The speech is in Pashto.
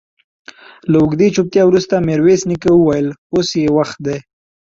له اوږدې چوپتيا وروسته ميرويس نيکه وويل: اوس يې وخت دی.